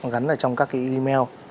gắn vào trong các email